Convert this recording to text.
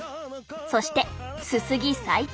そしてすすぎ再開。